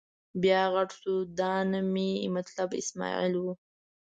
بیا خټ شو، دا نه مې مطلب اسمعیل و.